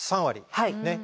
３割。